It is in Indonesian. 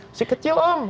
masih kecil om